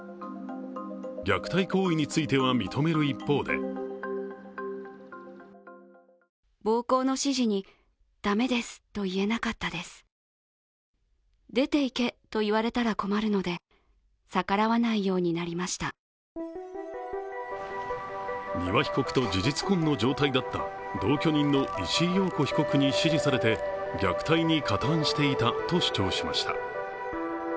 虐待行為については認める一方で丹羽被告と事実婚の状態だった同居人の石井陽子被告に指示されて虐待に加担していたと主張しました。